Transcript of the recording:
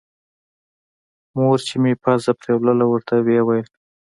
مور چې مې پزه پرېوله ورته ويې ويل.